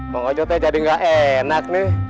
ma'am ojo tadi jadi gak enak nih